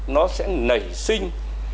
nó sẽ nảy sinh